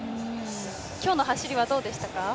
今日の走りはどうでしたか？